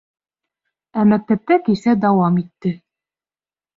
Ә мәктәптә кисә дауам итте.